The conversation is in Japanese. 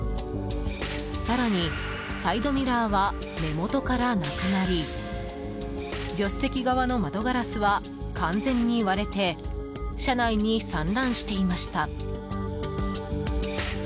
更に、サイドミラーは根元からなくなり助手席側の窓ガラスは完全に割れて車内に散乱していました。